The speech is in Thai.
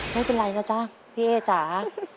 ไม่เป็นไรนะจ๊ะพี่เอ๊จ๋า